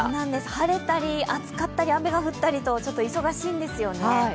晴れたり暑かったり、雨が降ったりとちょっと忙しいんですよね。